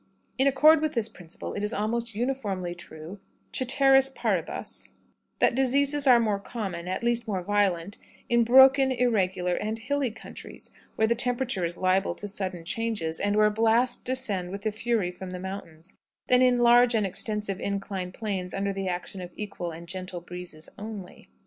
In accord with this principle, it is almost uniformly true, coeteris paribus, that diseases are more common, at least more violent, in broken, irregular, and hilly countries, where the temperature is liable to sudden changes, and where blasts descend with fury from the mountains, than in large and extensive inclined plains under the action of equal and gentle breezes only.